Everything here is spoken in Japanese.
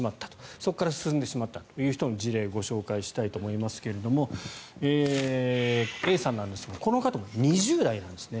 そこから進んでしまったという人の事例をご紹介したいと思いますがＡさんですがこの方も２０代なんですね。